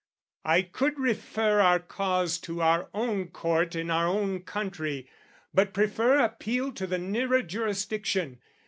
"I could refer our cause to our own court "In our own country, but prefer appeal "To the nearer jurisdiction.